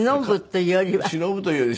しのぶというよりは。